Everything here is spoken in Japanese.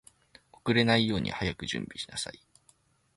遅れないように早く準備しなさい